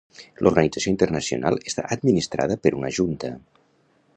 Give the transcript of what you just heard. L'organització internacional està administrada per una junta.